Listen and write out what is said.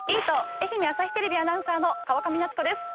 愛媛朝日テレビアナウンサーの川上夏子です。